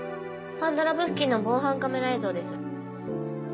パンダラブ付近の防犯カメラ映像です。